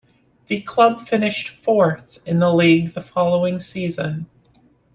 The club finished fourth in the league the following season.